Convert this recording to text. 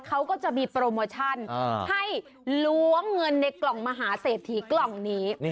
เขาก็จะมีโปรโมชั่นให้ล้วงเงินในกล่องมหาเศรษฐีกล่องนี้